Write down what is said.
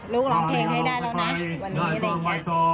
ร้องเพลงให้ได้แล้วนะวันนี้อะไรอย่างนี้